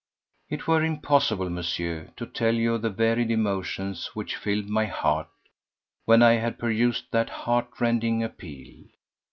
It were impossible, Monsieur, to tell you of the varied emotions which filled my heart when I had perused that heart rending appeal.